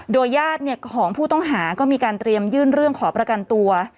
โดยญาติของผู้ต้องหาก็มีการเตรียมยื่นเรื่องขอประกันตัว